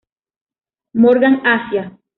Morgan Asia.